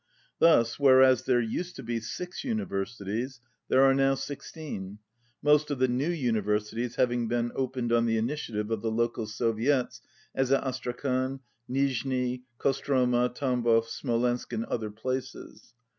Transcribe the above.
Thus whereas there used to be six universities there are now six teen, most of the new universities having been opened on the initiative of the local Soviets, as at Astrakhan, Nijni, Kostroma, Tambov, Smolensk and other places.